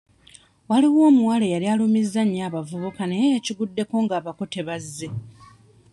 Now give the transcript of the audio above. Waliwo omuwala eyali alumizza ennyo abavubuka naye yakiguddeko ng'abako tebazze.